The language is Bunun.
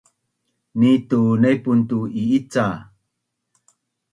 ni tu naipun tu i’ica?